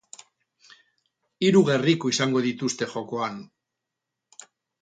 Hiru gerriko izango dituzte jokoan.